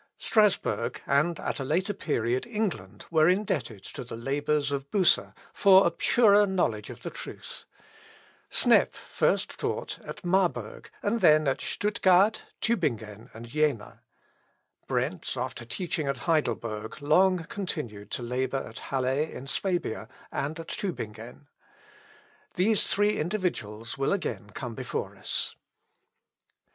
Strasburg, and at a later period England, were indebted to the labours of Bucer, for a purer knowledge of the truth. Snepf taught first at Marburg, then at Stutgard, Tubingen, and Jena. Brentz, after teaching at Heidelberg, long continued to labour at Halle, in Swabia, and at Tubingen. These three individuals will again come before us.